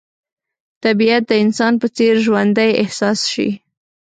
طبیعت د انسان په څېر ژوندی احساس شي.